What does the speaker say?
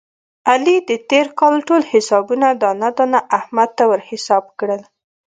علي د تېر کال ټول حسابونه دانه دانه احمد ته ور حساب کړل.